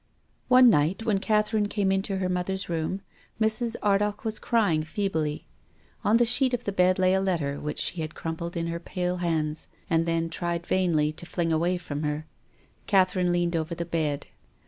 One night, when Catherine came into her mother's room, Mrs. Ardagh was crying feebly. On the sheet of the bed lay a letter which she had crumpled in her pale hands and then tried, vainly, to fling away from her. Catherine leaned over the bed.